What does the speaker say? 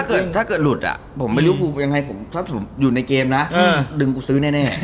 คือถ้าเกิดหลุดผมอยู่ในเกมนะดึงกูซื้อแน่